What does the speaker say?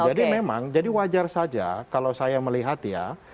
jadi memang jadi wajar saja kalau saya melihat ya